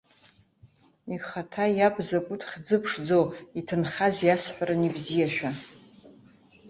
Ихаҭа иаб закәытә хьӡы ԥшӡоу иҭынхаз иасҳәарын ибзиашәа.